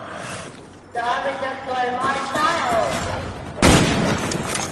The army destroyed my child.